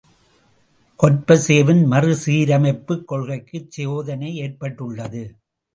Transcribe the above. கொர்பசேவின் மறுசீரமைப்புக் கொள்கைக்குச் சோதனை ஏற்பட்டுள்ளது.